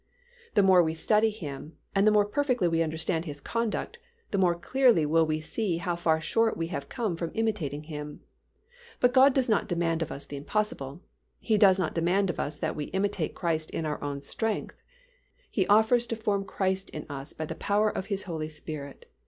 The more we study Him, and the more perfectly we understand His conduct, the more clearly will we see how far short we have come from imitating Him. But God does not demand of us the impossible, He does not demand of us that we imitate Christ in our own strength. He offers to us something infinitely better, He offers to form Christ in us by the power of His Holy Spirit.